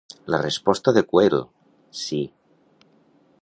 La resposta de Quayle: sí.